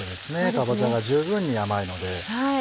かぼちゃが十分に甘いので。